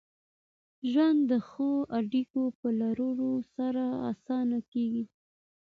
ژوند د ښو اړیکو په لرلو سره اسانه کېږي.